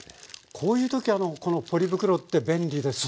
こういう時このポリ袋って便利ですね。